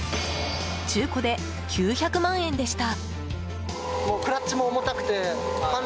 中古で９００万円でした。